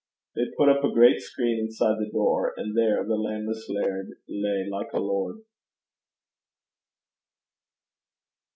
They put up a great screen inside the door, and there the lan'less laird lay like a lord.